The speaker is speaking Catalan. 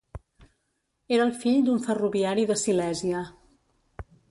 Era el fill d'un ferroviari de Silèsia.